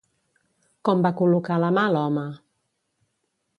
Com va col·locar la mà l'home?